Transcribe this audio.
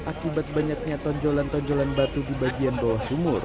akibat banyaknya tonjolan tonjolan batu di bagian bawah sumur